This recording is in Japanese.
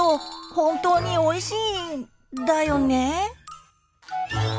本当においしいんだよね？